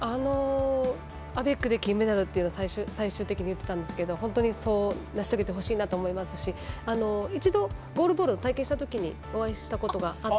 アベックで金メダルって最終的に言っていたんですが成し遂げてほしいと思いますしゴールボールを体験したときにお会いしたことがあって。